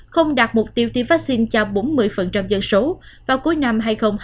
không đạt mục tiêu tiêm vaccine cho bốn mươi dân số vào cuối năm hai nghìn hai mươi